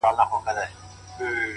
دا چي دي شعرونه د زړه جيب كي وړي-